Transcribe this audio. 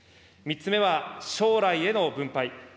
３つ目は将来への分配。